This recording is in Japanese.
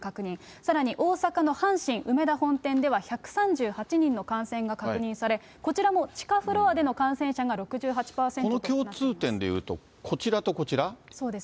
さらに大阪の阪神梅田本店では１３８人の感染が確認され、こちらも地下フロアでの感染者が６８％となっています。